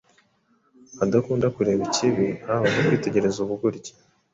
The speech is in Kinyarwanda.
adakunda kureba ikibi, haba no kwitegereza ubugoryi